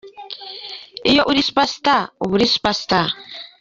iyo uri super star uba uri super star.